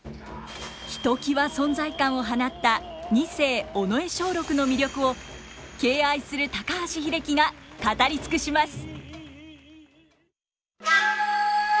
ひときわ存在感を放った二世尾上松緑の魅力を敬愛する高橋英樹が語りつくします。